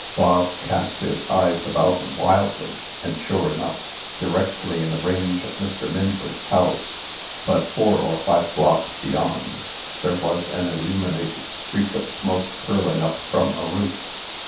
Bog cast his eyes about him wildly; and, sure enough, directly in the range of Mr. Minford's house, but four or five blocks beyond, there was an illuminated streak of smoke curling up from a roof.